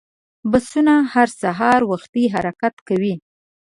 بسونه هر سهار وختي حرکت کوي.